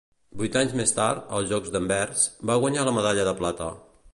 Vuit anys més tard, als Jocs d'Anvers, va guanyar la medalla de plata.